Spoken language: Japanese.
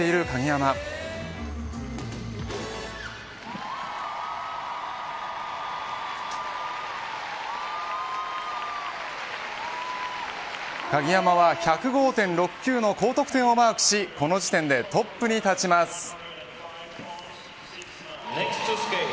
鍵山は１０５．６９の高得点をマークしこの時点でトップに立ちます。